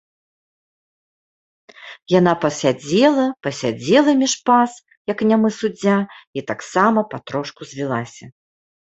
Яна пасядзела, пасядзела між пас, як нямы суддзя, і таксама патрошку звілася.